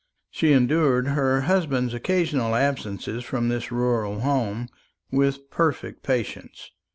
She endured her husband's occasional absence from this rural home with perfect patience.